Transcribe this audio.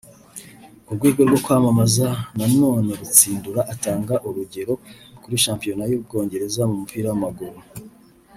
Ku rwego rwo kwamamaza na none Rutsindura atanga urugero kuri Shampiyona y’u Bwongereza mu mupira w’amaguru